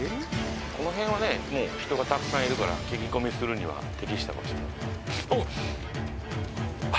この辺はね人がたくさんいるから聞き込みするには適した場所。